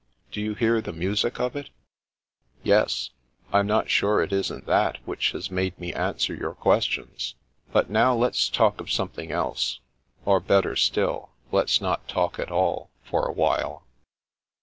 Do you hear the music of it ?'*" Yes. I'm not sure it isn't that which has made me answer your questions. But now let's talk of something else— or better still, let's not talk at all, for a while."